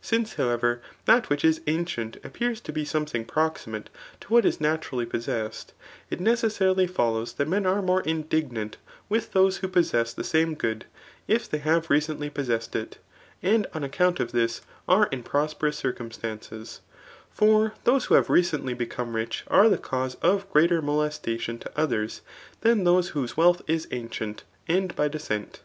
Since, however, that which is ancfent appears to be something proximate to what is naturally possessed, it necessarily follows that men are more indignant with those who possess the same good, if they have recently possessed it, and on account of this are in prosperous circumstances ; for those who have recently become rich are the cause of greater mo* lestatian to others, than those whose wealth is ancient, and. Jby descent.